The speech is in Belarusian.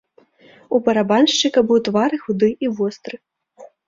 У барабаншчыка быў твар і худы і востры.